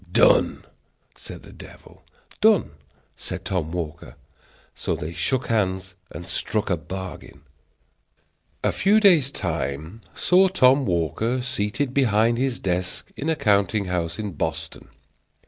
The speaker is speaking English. "Done!" said the devil. "Done!" said Tom Walker. So they shook hands and struck a bargain. A few days' time saw Tom Walker seated behind his desk in a counting house in Boston.